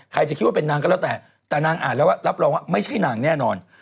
ใครจะคิดว่าเป็นนางก็แล้วแต่แต่นางอ่านแล้วว่ารับรองว่าไม่ใช่นางแน่นอน